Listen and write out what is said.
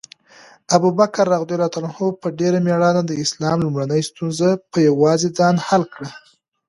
ابوبکر رض په ډېره مېړانه د اسلام لومړنۍ ستونزې په یوازې ځان حل کړې.